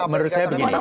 menurut saya begini